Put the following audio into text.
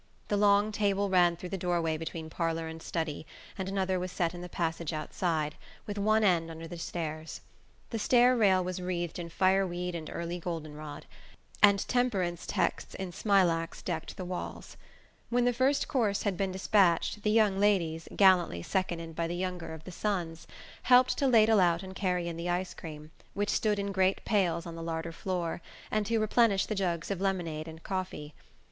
The long table ran through the doorway between parlour and study, and another was set in the passage outside, with one end under the stairs. The stair rail was wreathed in fire weed and early golden rod, and Temperance texts in smilax decked the walls. When the first course had been despatched the young ladies, gallantly seconded by the younger of the "Sons," helped to ladle out and carry in the ice cream, which stood in great pails on the larder floor, and to replenish the jugs of lemonade and coffee.